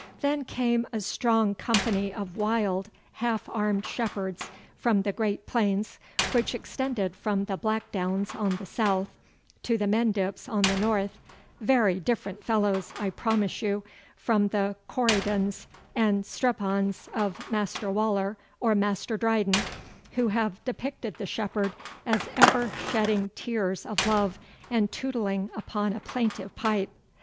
Then came a strong company of wild half armed shepherds from the great plains which extend from the Blackdowns on the south to the Mendips on the north very different fellows, I promise you, from the Corydons and Strephons of Master Waller or Master Dryden, who have depicted the shepherd as ever shedding tears of love, and tootling upon a plaintive pipe.